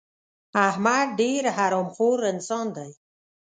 احمد ډېر حرام خور انسان دی.